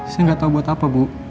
saya gak tau buat apa bu